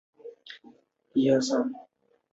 当时在英国经营各种另类培训行业。